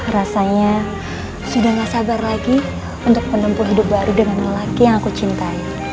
rasanya sudah tidak sabar lagi untuk menempuh hidup baru dengan lelaki yang aku cintai